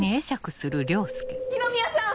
二宮さん！